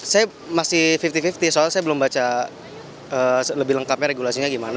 saya masih lima puluh lima puluh soal saya belum baca lebih lengkapnya regulasinya gimana